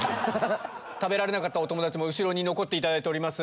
食べられなかったお友達も後ろに残っていただいております。